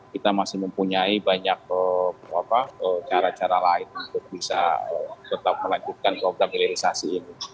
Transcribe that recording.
kita masih mempunyai banyak cara cara lain untuk bisa tetap melanjutkan program hilirisasi ini